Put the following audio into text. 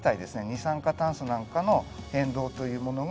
二酸化炭素なんかの変動というものが。